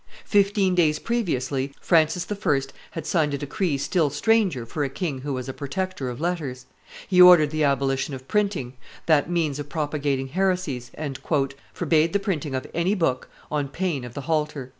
Fifteen days previously Francis I. had signed a decree still stranger for a king who was a protector of letters; he ordered the abolition of printing, that means of propagating heresies, and "forbade the printing of any book on pain of the halter."